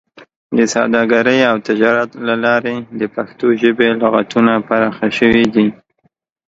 د سوداګرۍ او تجارت له لارې د پښتو ژبې لغتونه پراخه شوي دي.